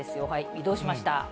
移動しました。